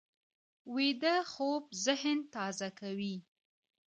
ویده خوب ذهن تازه کوي